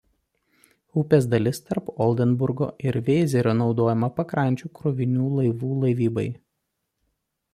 Upės dalis tarp Oldenburgo ir Vėzerio naudojama pakrančių krovininių laivų laivybai.